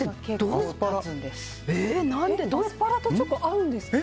アスパラとチョコ合うんですか。